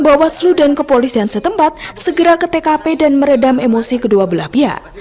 bawaslu dan kepolisian setempat segera ke tkp dan meredam emosi kedua belah pihak